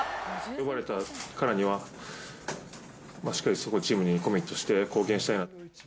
呼ばれたからには、しっかりそこはチームにコミットして貢献したいなと。